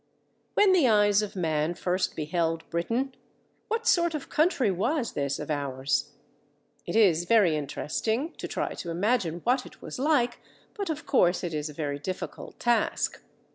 When the eyes of man first beheld Britain, what sort of country was this of ours? It is very interesting to try to imagine what it was like, but of course it is a very difficult task.